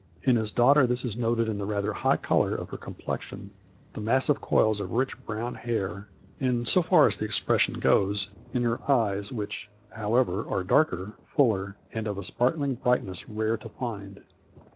In his daughter this is noted in the rather high color of her complexion, the massive coils of rich brown hair, and, so far as the expression goes, in her eyes which, however, are darker, fuller and of a sparkling brightness rare to find.